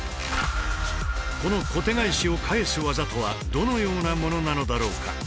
この小手返しを返す技とはどのようなものなのだろうか。